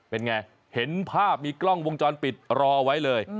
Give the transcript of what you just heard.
เป็นไงเห็นภาพมีกล้องวงจรปิดรอไว้เลย